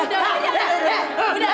udah linol lu sadar ya